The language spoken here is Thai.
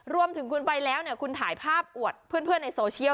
รวมถึงคุณไปแล้วเนี่ยคุณถ่ายภาพอวดเพื่อนเพื่อนในโซเชียล